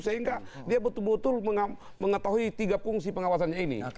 sehingga dia betul betul mengetahui tiga fungsi pengawasannya ini